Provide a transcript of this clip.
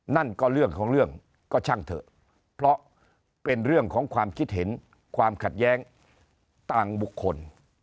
นั่นก็เรื่องของเรื่องก็ช่างเถอะเพราะเป็นเรื่องของความคิดเห็นความขัดแย้งต่างบุคคล